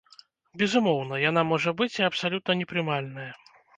Безумоўна, яна можа быць і абсалютна непрымальная.